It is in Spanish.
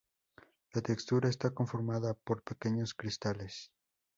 La textura está conformada por pequeños cristales.